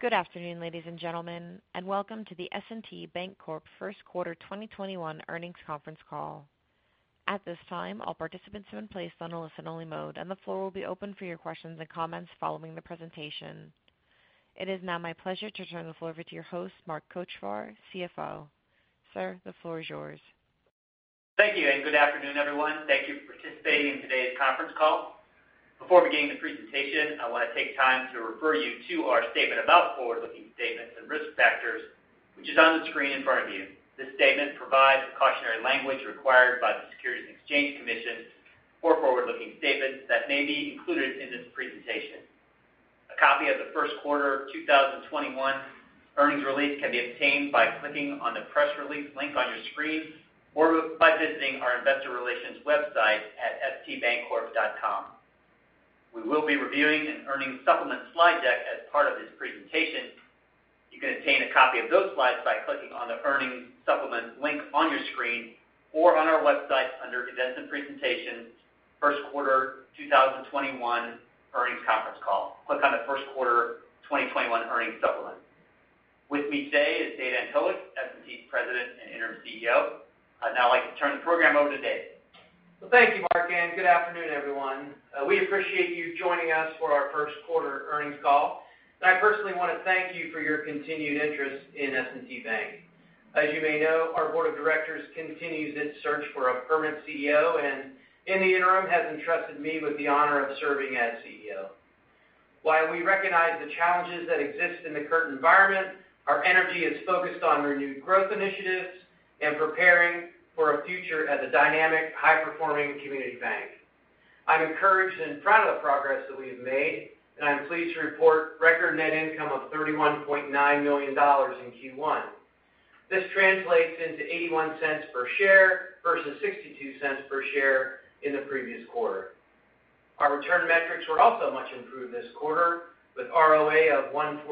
Good afternoon, ladies and gentlemen, and welcome to the S&T Bancorp First Quarter 2021 Earnings Conference Call. At this time, all participants are in place on a listen-only mode, and the floor will be open for your questions and comments following the presentation. It is now my pleasure to turn the floor over to your host, Mark Kochvar, CFO. Sir, the floor is yours. Thank you, and good afternoon, everyone. Thank you for participating in today's conference call. Before beginning the presentation, I want to take time to refer you to our statement about forward-looking statements and risk factors, which is on the screen in front of you. This statement provides the cautionary language required by the Securities and Exchange Commission for forward-looking statements that may be included in this presentation. A copy of the first quarter 2021 earnings release can be obtained by clicking on the press release link on your screen or by visiting our investor relations website at stbancorp.com. We will be reviewing an earnings supplement slide deck as part of this presentation. You can obtain a copy of those slides by clicking on the earnings supplement link on your screen or on our website under Condensed Presentation First Quarter 2021 Earnings Conference Call. Click on the First Quarter 2021 Earnings Supplement. With me today is David Antolik, S&T's President and Interim CEO. I'd now like to turn the program over to Dave. Well, thank you, Mark, and good afternoon, everyone. We appreciate you joining us for our first quarter earnings call, and I personally want to thank you for your continued interest in S&T Bank. As you may know, our board of directors continues its search for a permanent CEO, and in the interim, has entrusted me with the honor of serving as CEO. While we recognize the challenges that exist in the current environment, our energy is focused on renewed growth initiatives and preparing for a future as a dynamic, high-performing community bank. I'm encouraged and proud of the progress that we have made, and I'm pleased to report record net income of $31.9 million in Q1. This translates into $0.81 per share versus $0.62 per share in the previous quarter. Our return metrics were also much improved this quarter with ROA of 1.42%,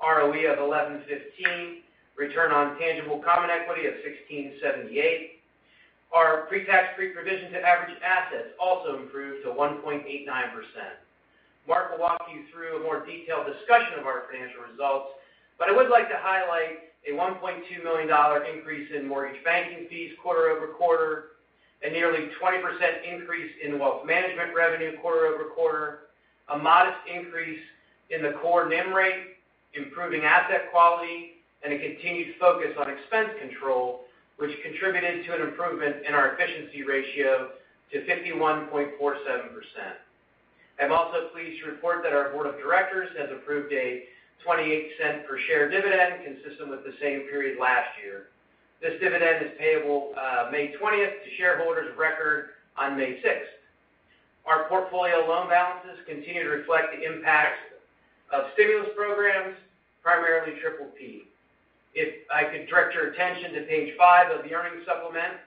ROE of 11.15%, return on tangible common equity of 16.78%. Our pre-tax pre-provision to average assets also improved to 1.89%. Mark will walk you through a more detailed discussion of our financial results, but I would like to highlight a $1.2 million increase in mortgage banking fees quarter-over-quarter, a nearly 20% increase in wealth management revenue quarter-over-quarter, a modest increase in the core NIM rate, improving asset quality, and a continued focus on expense control, which contributed to an improvement in our efficiency ratio to 51.47%. I'm also pleased to report that our board of directors has approved a $0.28 per share dividend consistent with the same period last year. This dividend is payable on May 20th to shareholders of record on May sixth. Our portfolio loan balances continue to reflect the impacts of stimulus programs, primarily PPP. If I could direct your attention to page five of the earnings supplement,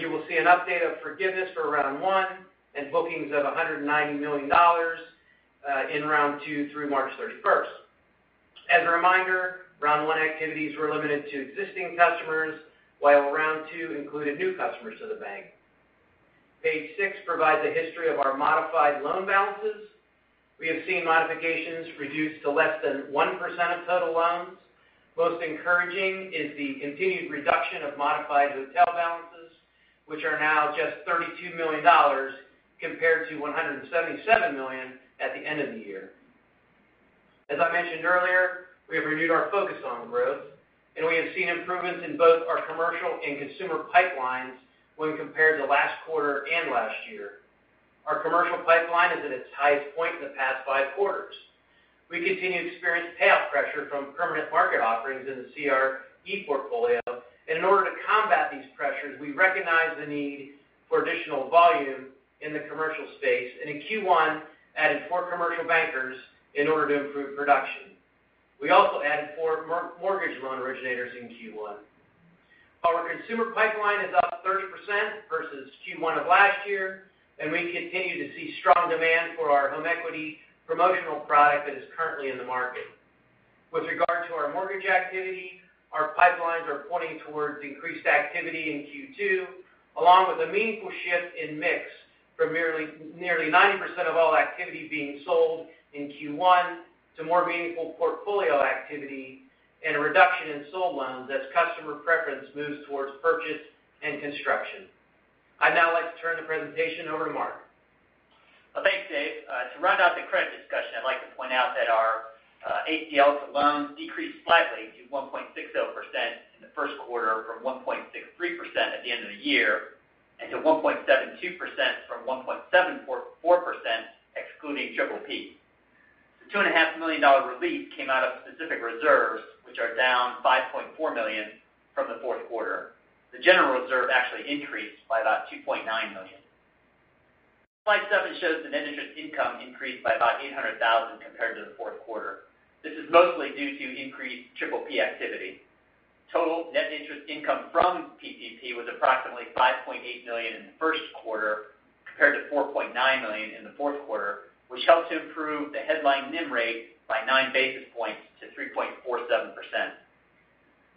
you will see an update of forgiveness for round one and bookings of $190 million in round two through March 31st. As a reminder, round one activities were limited to existing customers, while round two included new customers to the bank. Page six provides a history of our modified loan balances. We have seen modifications reduced to less than 1% of total loans. Most encouraging is the continued reduction of modified hotel balances, which are now just $32 million compared to $177 million at the end of the year. As I mentioned earlier, we have renewed our focus on growth, and we have seen improvements in both our commercial and consumer pipelines when compared to last quarter and last year. Our commercial pipeline is at its highest point in the past five quarters. We continue to experience payoff pressure from permanent market offerings in the CRE portfolio, and in order to combat these pressures, we recognize the need for additional volume in the commercial space, and in Q1, added four commercial bankers in order to improve production. We also added four mortgage loan originators in Q1. Our consumer pipeline is up 30% versus Q1 of last year. We continue to see strong demand for our home equity promotional product that is currently in the market. With regard to our mortgage activity, our pipelines are pointing towards increased activity in Q2, along with a meaningful shift in mix from nearly 90% of all activity being sold in Q1 to more meaningful portfolio activity and a reduction in sold loans as customer preference moves towards purchase and construction. I'd now like to turn the presentation over to Mark. Thanks, Dave. To round out the credit discussion, I'd like to point out that our ACL to loans decreased slightly to 1.60% in the first quarter from 1.63% at the end of the year and to 1.72% from 1.74%, excluding PPP. The $2.5 million relief came out of specific reserves, which are down $5.4 million from the fourth quarter. The general reserve actually increased by about $2.9 million. Slide seven shows the net interest income increased by about $800,000 compared to the fourth quarter. This is mostly due to increased PPP activity. Total net interest income from PPP was approximately $5.8 million in the first quarter, compared to $4.9 million in the fourth quarter, which helped to improve the headline NIM rate by 9 basis points to 3.47%.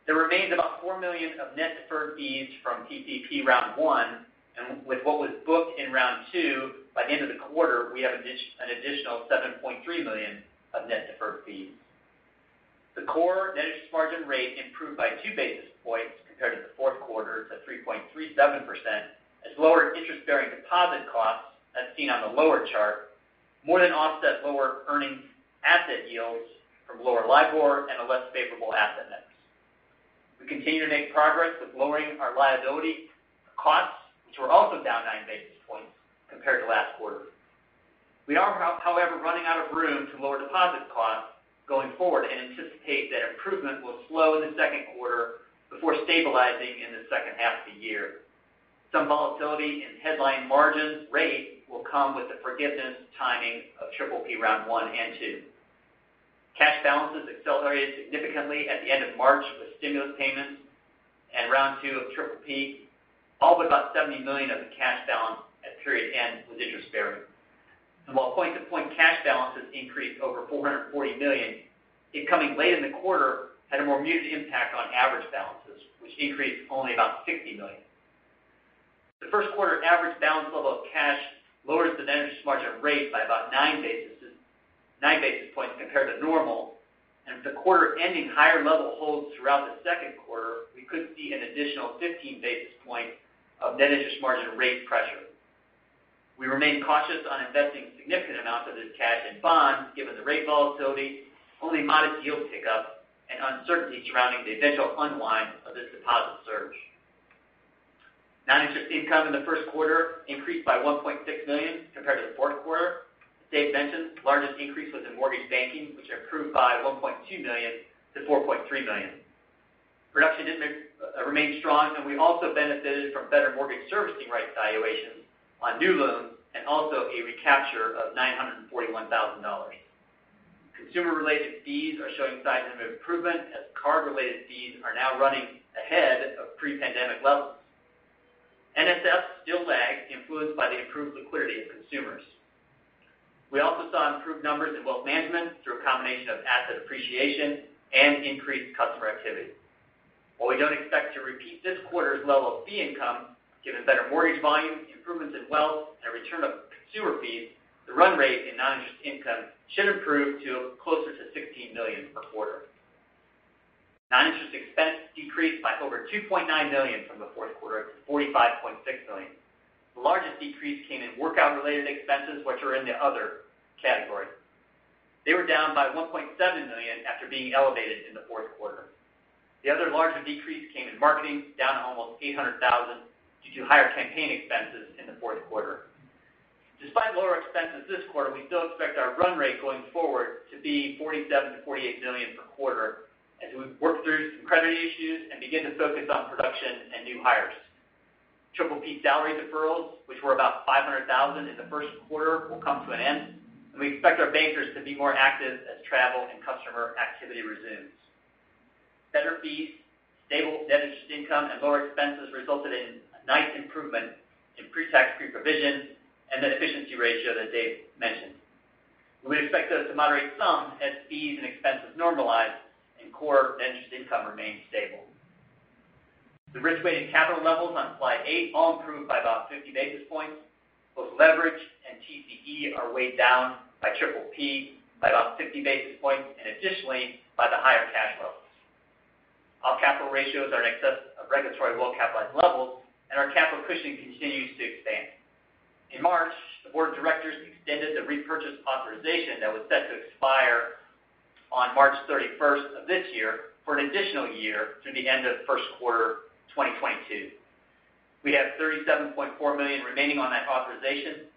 There remains about $4 million of net deferred fees from PPP round one, and with what was booked in round two, by the end of the quarter, we have an additional $7.3 million of net deferred fees. The core net interest margin rate improved by 2 basis points compared to the fourth quarter to 3.37%, as lower interest-bearing deposit costs, as seen on the lower chart, more than offset lower earning asset yields from lower LIBOR and a less favorable asset mix. We continue to make progress with lowering our liability costs, which were also down 9 basis points compared to last quarter. We are, however, running out of room to lower deposit costs going forward and anticipate that improvement will slow in the second quarter before stabilizing in the second half of the year. Some volatility in headline margin rate will come with the forgiveness timing of PPP round one and two. Cash balances accelerated significantly at the end of March with stimulus payments and round two of PPP, all but about $70 million of the cash balance at period end was interest-bearing. While point-to-point cash balances increased over $440 million, it coming late in the quarter had a more muted impact on average balances, which increased only about $60 million. The first quarter average balance level of cash lowered the net interest margin rate by about 9 basis points compared to normal, and if the quarter-ending higher level holds throughout the second quarter, we could see an additional 15 basis points of net interest margin rate pressure. We remain cautious on investing significant amounts of this cash in bonds, given the rate volatility, only modest yield pickup, and uncertainty surrounding the eventual unwind of this deposit surge. Non-interest income in the first quarter increased by $1.6 million compared to the fourth quarter. As Dave mentioned, the largest increase was in mortgage banking, which improved by $1.2 million-$4.3 million. Production remained strong, and we also benefited from better mortgage servicing rights valuations on new loans and also a recapture of $941,000. Consumer-related fees are showing signs of improvement as card-related fees are now running ahead of pre-pandemic levels. NSF still lags, influenced by the improved liquidity of consumers. We also saw improved numbers in wealth management through a combination of asset appreciation and increased customer activity. While we don't expect to repeat this quarter's level of fee income, given better mortgage volumes, improvements in wealth, and a return of consumer fees, the run rate in non-interest income should improve to closer to $16 million per quarter. Non-interest expense decreased by over $2.9 million from the fourth quarter to $45.6 million. The largest decrease came in workout-related expenses, which are in the other category. They were down by $1.7 million after being elevated in the fourth quarter. The other larger decrease came in marketing, down almost $800,000 due to higher campaign expenses in the fourth quarter. Despite lower expenses this quarter, we still expect our run rate going forward to be $47 million-$48 million per quarter as we work through some credit issues and begin to focus on production and new hires. PPP salary deferrals, which were about $500,000 in the first quarter, will come to an end, and we expect our bankers to be more active as travel and customer activity resumes. Better fees, stable net interest income, and lower expenses resulted in a nice improvement in pre-tax pre-provision and that efficiency ratio that Dave mentioned. We expect those to moderate some as fees and expenses normalize and core net interest income remains stable. The risk-weighted capital levels on slide eight all improved by about 50 basis points. Both leverage and TCE are weighed down by PPP by about 50 basis points, and additionally, by the higher cash levels. All capital ratios are in excess of regulatory well-capitalized levels, and our capital cushion continues to expand. In March, the board of directors extended the repurchase authorization that was set to expire on March 31st of this year for an additional year through the end of the first quarter 2022. We have $37.4 million remaining on that authorization.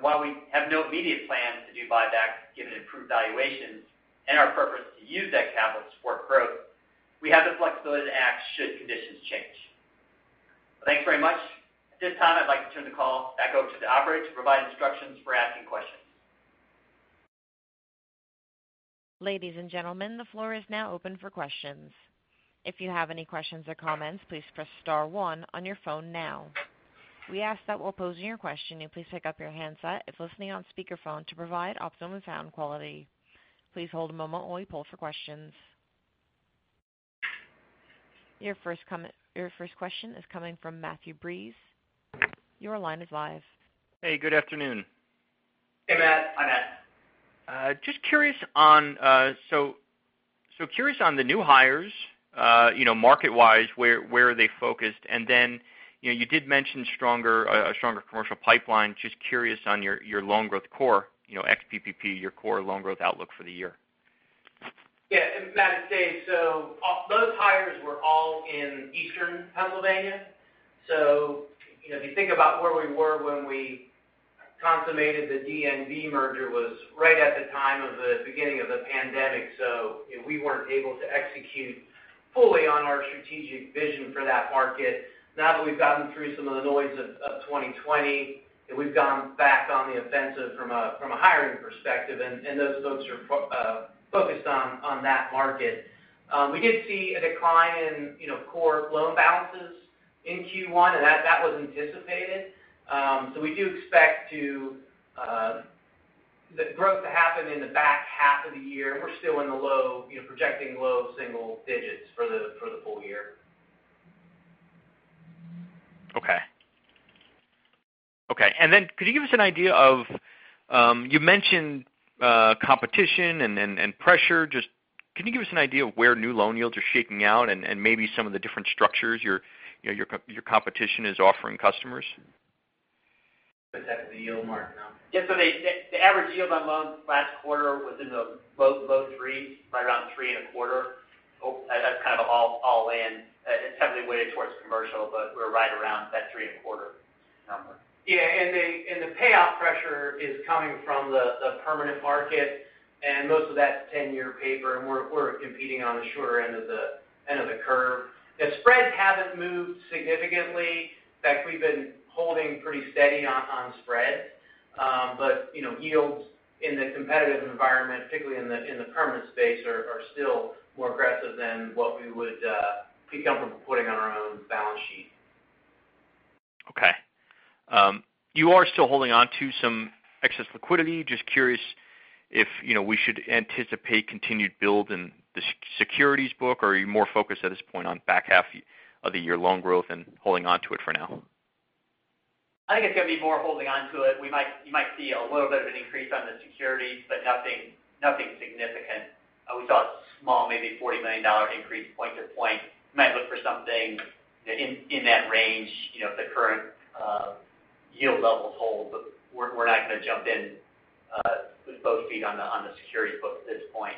While we have no immediate plans to do buybacks given improved valuations and our preference to use that capital to support growth, we have the flexibility to act should conditions change. Thanks very mucg, at this time, I'd like to turn the call back over to the operator to provide instructions for asking questions. Ladies and gentlemen, the floor is now open for questions. If you have any questions or comments, please press star one on your phone now. We ask that while posing your question, you please pick up your handset if listening on speakerphone to provide optimum sound quality. Please hold a moment while we poll for questions. Your first question is coming from Matthew Breese, your line is live. Hey, good afternoon. Hey, Matt. Hi, Matt. Just curious on the new hires, market-wise, where are they focused? You did mention a stronger commercial pipeline. Just curious on your loan growth core, ex-PPP, your core loan growth outlook for the year. Yeah, Matt, as Dave said, those hires were all in Eastern Pennsylvania. If you think about where we were when we consummated the DNB merger was right at the time of the beginning of the pandemic. Now that we've gotten through some of the noise of 2020, we've gone back on the offensive from a hiring perspective, those folks are focused on that market. We did see a decline in core loan balances in Q1, that was anticipated. We do expect the growth to happen in the back half of the year, we're still projecting low single digits for the full year. Okay, could you give us an idea of, you mentioned competition and pressure, can you give us an idea of where new loan yields are shaking out and maybe some of the different structures your competition is offering customers? In terms of the yield Mark and all? The average yield on loans last quarter was in the low 3%, right around 3.25%. That's kind of all in. It's heavily weighted towards commercial, but we're right around that 3.25% number. Yeah, the payoff pressure is coming from the permanent market and most of that's 10-year paper, and we're competing on the shorter end of the curve. The spreads haven't moved significantly. In fact, we've been holding pretty steady on spreads. Yields in the competitive environment, particularly in the permanent space, are still more aggressive than what we would pick up from putting on our own balance sheet. Okay, you are still holding onto some excess liquidity. Just curious if we should anticipate continued build in the securities book, or are you more focused at this point on back half of the year loan growth and holding onto it for now? I think it's going to be more holding onto it. You might see a little bit of an increase on the securities, but nothing significant. We saw a small, maybe $40 million increase point-to-point. Might look for something in that range if the current yield levels hold, but we're not going to jump in with both feet on the securities book at this point.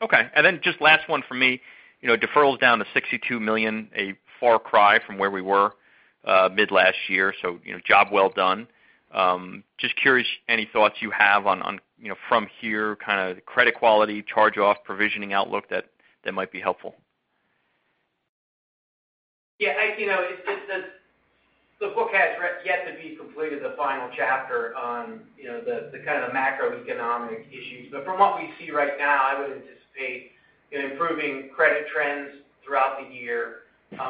Okay, just last one from me. Deferrals down to $62 million, a far cry from where we were mid last year, so job well done. Just curious, any thoughts you have on from here, kind of the credit quality, charge-off, provisioning outlook that might be helpful? Yeah, the book has yet to be completed, the final chapter on the kind of macroeconomic issues. From what we see right now, I would anticipate improving credit trends throughout the year.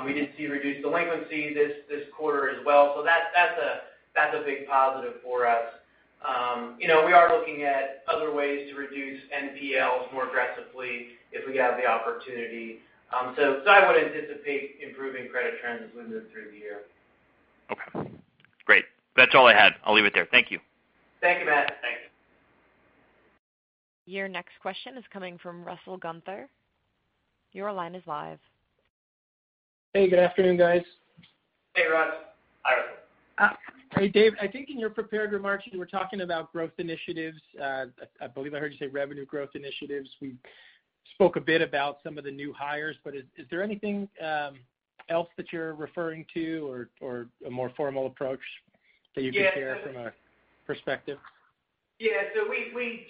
We did see reduced delinquencies this quarter as well. That's a big positive for us. We are looking at other ways to reduce NPLs more aggressively if we have the opportunity. I would anticipate improving credit trends with us through the year. Okay, great, that's all I had. I'll leave it there, thank you. Thank you, Matt. Thank you. Your next question is coming from Russell Gunther, your line is live. Hey, good afternoon, guys. Hey, Russ. Hi, Russ. Hey, Dave, I think in your prepared remarks, you were talking about growth initiatives. I believe I heard you say revenue growth initiatives. Is there anything else that you're referring to or a more formal approach that you can share from a perspective? We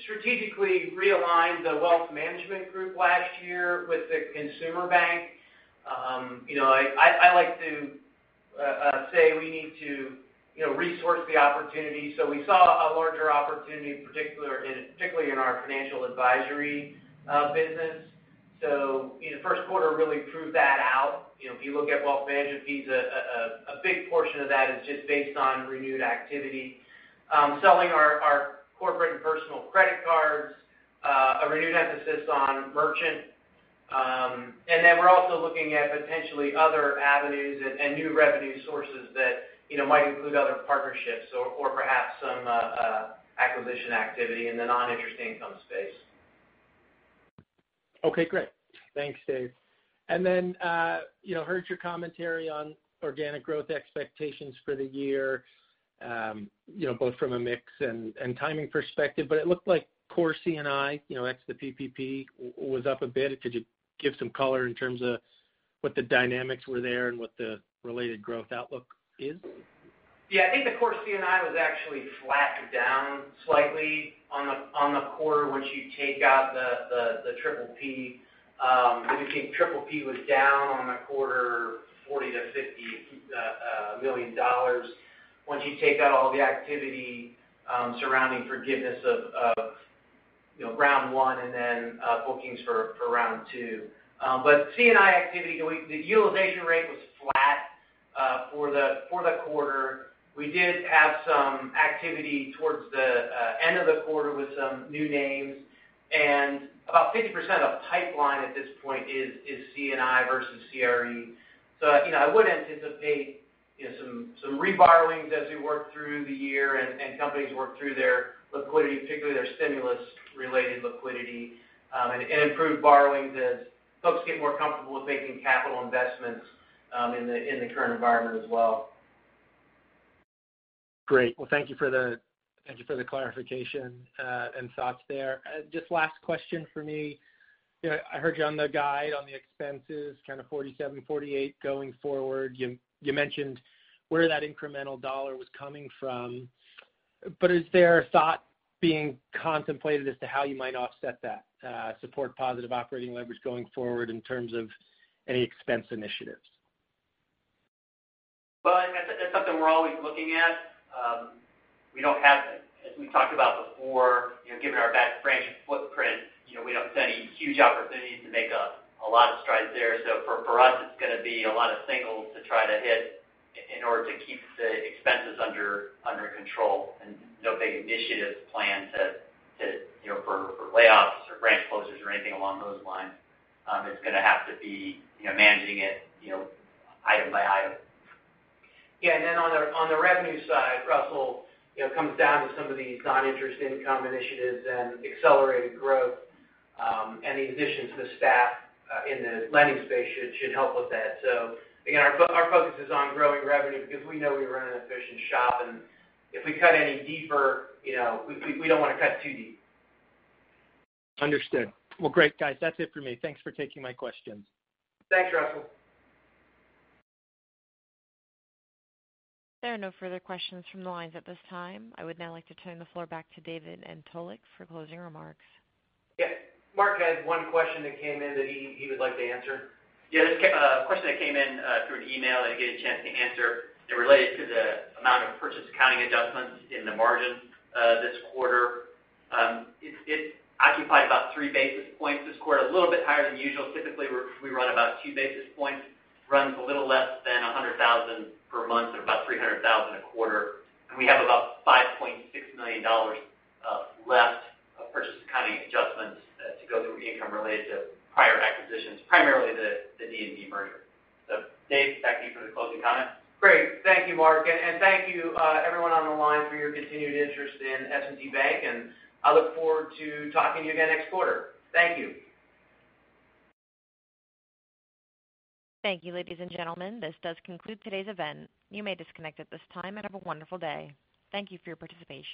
strategically realigned the wealth management group last year with the consumer bank. I like to say we need to resource the opportunity. We saw a larger opportunity, particularly in our financial advisory business. The first quarter really proved that out. If you look at wealth management fees, a big portion of that is just based on renewed activity. Selling our corporate and personal credit cards, a renewed emphasis on merchant. We're also looking at potentially other avenues and new revenue sources that might include other partnerships or perhaps some acquisition activity in the non-interest income space. Okay, great, thanks, Dave. Heard your commentary on organic growth expectations for the year both from a mix and timing perspective, but it looked like core C&I, ex the PPP, was up a bit. Could you give some color in terms of what the dynamics were there and what the related growth outlook is? I think the core C&I was actually flat to down slightly on the quarter once you take out the PPP. I do think PPP was down on the quarter $40 million-$50 million once you take out all the activity surrounding forgiveness of round one and then bookings for round two. C&I activity, the utilization rate was flat for the quarter. We did have some activity towards the end of the quarter with some new names, about 50% of pipeline at this point is C&I versus CRE. I would anticipate some reborrowings as we work through the year and companies work through their liquidity, particularly their stimulus-related liquidity, and improved borrowings as folks get more comfortable with making capital investments in the current environment as well. Great, well, thank you for the clarification and thoughts there. Just last question for me. I heard you on the guide on the expenses, kind of $47, $48 going forward. You mentioned where that incremental dollar was coming from. Is there a thought being contemplated as to how you might offset that, support positive operating leverage going forward in terms of any expense initiatives? Well, that's something we're always looking at. As we talked about before, given our bank branch footprint, we don't see any huge opportunities to make a lot of strides there. For us, it's going to be a lot of singles to try to hit in order to keep the expenses under control and no big initiatives planned for layoffs or branch closures or anything along those lines. It's going to have to be managing it item by item. Yeah, on the revenue side, Russell, it comes down to some of these non-interest income initiatives and accelerated growth. Any additions to the staff in the lending space should help with that. Again, our focus is on growing revenue because we know we run an efficient shop, and if we cut any deeper, we don't want to cut too deep. Understood, well, great, guys, that's it for me. Thanks for taking my questions. Thanks, Russell. There are no further questions from the lines at this time. I would now like to turn the floor back to David Antolik for closing remarks. Yeah, Mark has one question that came in that he would like to answer. Yeah, this question that came in through an email that I didn't get a chance to answer. It related to the amount of purchase accounting adjustments in the margin this quarter. It occupied about three basis points this quarter, a little bit higher than usual. Typically, we run about 2 basis points. Runs a little less than $100,000 per month or about $300,000 a quarter. We have about $5.6 million left of purchase accounting adjustments to go through income related to prior acquisitions, primarily the DNB merger. Dave, back to you for the closing comments. Great, thank you, Mark, and thank you everyone on the line for your continued interest in S&T Bank, and I look forward to talking to you again next quarter, thank you. Thank you, ladies and gentlemen, this does conclude today's event. You may disconnect at this time, and have a wonderful day. Thank you for your participation.